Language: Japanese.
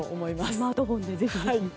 スマートフォンでぜひぜひ。